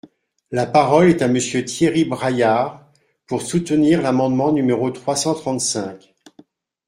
La parole est à Monsieur Thierry Braillard, pour soutenir l’amendement numéro trois cent trente-cinq.